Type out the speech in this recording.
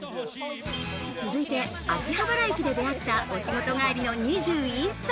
続いて秋葉原駅で出会った、お仕事帰りの２１歳。